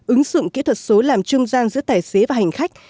ứng dụng kỹ thuật số làm trung gian giữa tài xế và hành khách